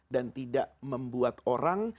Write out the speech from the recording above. dan tidak membuat orang